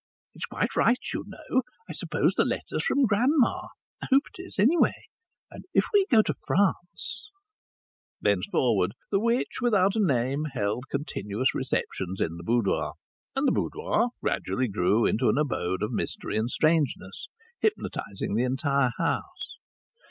It's quite right, you know. I suppose the letter's from grandma; I hope it is, anyway. And if we go to France " Thenceforward the witch without a name held continuous receptions in the boudoir, and the boudoir gradually grew into an abode of mystery and strangeness, hypnotizing the entire house.